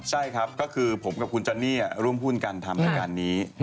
ใช่ครับก็คือผมกับคุณจอนนี่ร่วมหุ้นกันทำรายการนี้